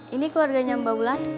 ini keluarganya mbak ulan